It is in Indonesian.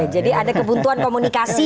jadi ada kebutuhan komunikasi